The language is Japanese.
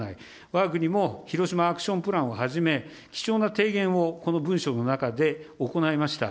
わが国もヒロシマ・アクション・プランをはじめ、貴重な提言をこの文書の中で行いました。